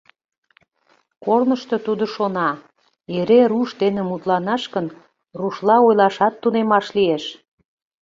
Корнышто тудо шона: эре руш дене мутланаш гын, рушла ойлашат тунемаш лиеш.